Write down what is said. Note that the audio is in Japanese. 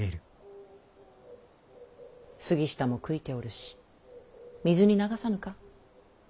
杉下も悔いておるし水に流さぬか？